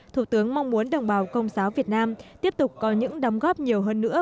thủ tướng mong muốn đồng bào công giáo việt nam tiếp tục có những đóng góp nhiều hơn nữa